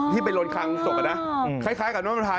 ที่ไปโรนคังสกนะคล้ายกับน้ำมันพาย